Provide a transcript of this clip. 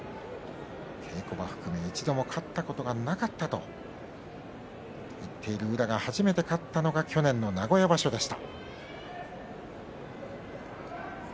稽古場含め、一度も勝ったことがなかったと言っている宇良が初めて勝ったのが去年の名古屋場所でした。